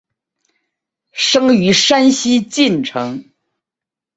生于山西晋城。